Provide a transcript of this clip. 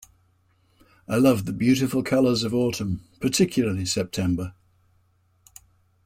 I love the beautiful colours of autumn, particularly September